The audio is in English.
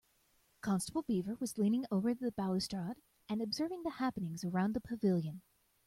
Constable Beaver was leaning over the balustrade and observing the happenings around the pavilion.